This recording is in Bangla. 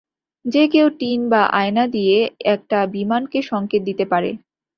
যে কেউ টিন বা আয়না দিয়ে একটা বিমানকে সংকেত দিতে পারে।